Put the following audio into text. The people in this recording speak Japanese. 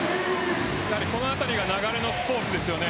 このあたりが流れのスポーツですよね。